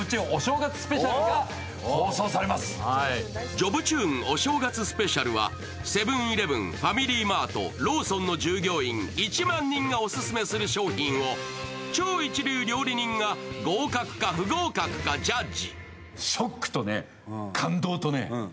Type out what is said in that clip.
「ジョブチューンお正月スペシャル」はセブン−イレブン、ファミリーマート、ローソンの従業員１万人がオススメする商品を超一流料理人が合格か、不合格かジャッジ。